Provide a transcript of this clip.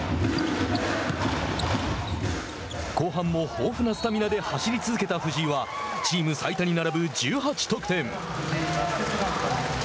後半も豊富なスタミナで走り続けた藤井はチーム最多に並ぶ１８得点。